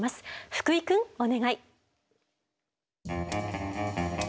福井くんお願い。